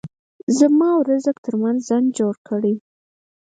زما او رزق ترمنځ خنډ جوړ کړي.